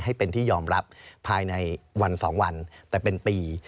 ให้เป็นที่ยอมรับภายในวัน๒วันแต่เป็นปี